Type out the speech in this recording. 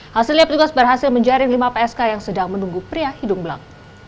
hasilnya petugas berhasil menjaring lima psk yang sedang menunggu pria hidung belang